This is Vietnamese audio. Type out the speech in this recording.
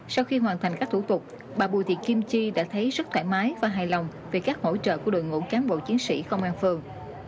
sau khi hoàn thành các thủ tục bà bùi thị kim chi đã thấy rất thoải mái và hài lòng về các hỗ trợ của đội ngũ cán bộ chiến sĩ công an phường